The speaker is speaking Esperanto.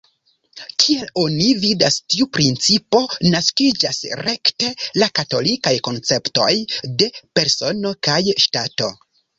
Kiel oni vidas tiu principo naskiĝas rekte la katolikaj konceptoj de "persono" kaj "ŝtato".